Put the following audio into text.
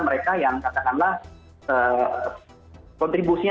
mereka yang katakanlah kontribusinya